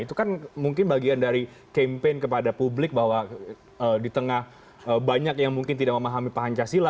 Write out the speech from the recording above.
itu kan mungkin bagian dari campaign kepada publik bahwa di tengah banyak yang mungkin tidak memahami pancasila